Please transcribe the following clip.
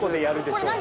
「これ何？